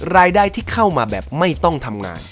รายได้ที่เข้ามาแบบไม่ต้องทำงาน